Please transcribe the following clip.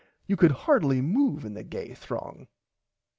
You could hardly moove in the gay throng.